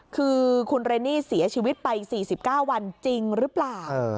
คือคุณเรนนี่เสียชีวิตไป๔๙วันจริงหรือเปล่า